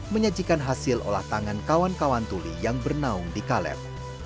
menyajikan hasil olah tangan kawan kawan tuli yang bernaung di kaleb